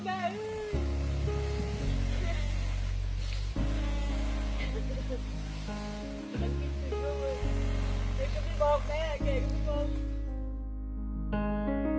วันที่สุดท้ายเกิดขึ้นเกิดขึ้น